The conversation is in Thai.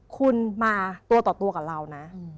คุณมาตัวต่อตัวกับเรานะ